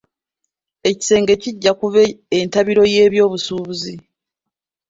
Ekisenge kijja kuba entabiro y'ebyobusuubuzi.